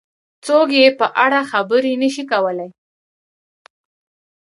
څوک یې په اړه خبرې نه شي کولای.